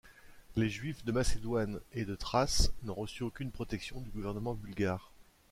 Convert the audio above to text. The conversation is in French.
Les Juifs de Macédoine et de Thrace n'ont reçu aucune protection du gouvernement bulgare.